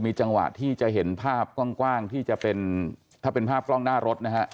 มีจังหวัดที่จะเห็นภาพกว้างถ้าเป็นภาพกล้องหน้ารถนะฮะ